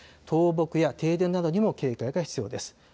倒木や停電などにも警戒が必要です。